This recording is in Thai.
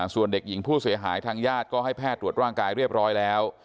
ส่วนเด็กหญิงผู้เสียหายทางญาติก็ให้แพทย์ตรวจร่างกายเรียบร้อยแล้ว